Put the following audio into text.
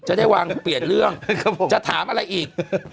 จะได้วางเปรียบเรื่องจะถามรายอีก